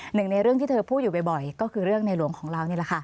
หนึ่งในเรื่องที่เธอพูดอยู่บ่อยก็คือเรื่องในหลวงของเรานี่แหละค่ะ